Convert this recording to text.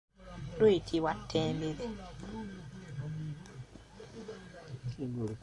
Luyitibwa ttembere.